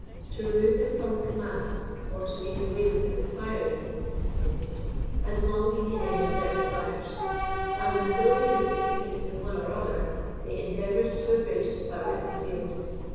To remove him from the command, or to make away with him entirely," he continued, "had long been the end of their desires; and, until they could succeed in one or other, they endeavoured to abridge his power in the field.